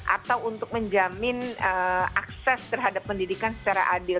atau untuk menjamin akses terhadap pendidikan secara adil